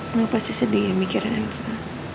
enggak pasti sedih ya mikirin elsa